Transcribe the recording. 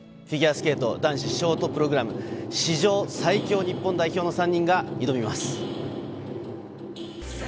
フィギュアスケート男子ショートプログラム、史上最強日本代表の３人が挑みます。